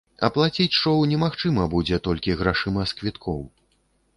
Аплаціць шоў немагчыма будзе толькі грашыма з квіткоў.